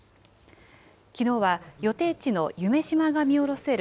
きのうは予定地の夢洲が見下ろせる